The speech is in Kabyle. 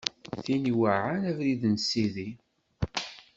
Tin iweɛɛan abrid n Sidi.